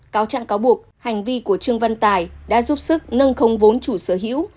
cáo trạng cáo buộc hành vi của trương văn tài đã giúp sức nâng không vốn chủ sở hữu